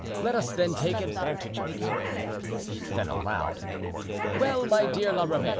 Let us then take advantage of it." Then, aloud: "Well, my dear La Ramee!